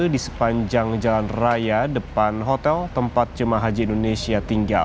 di sepanjang jalan raya depan hotel tempat jemaah haji indonesia tinggal